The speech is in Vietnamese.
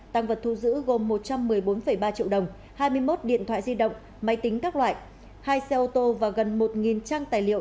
tăng vật thu giữ gồm một trăm một mươi bốn ba triệu đồng hai mươi một điện thoại di động máy tính các loại hai xe ô tô và gần một trang tài liệu